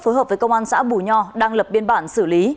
phối hợp với công an xã bù nho đang lập biên bản xử lý